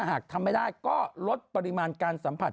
หากทำไม่ได้ก็ลดปริมาณการสัมผัส